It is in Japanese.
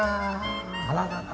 あららら。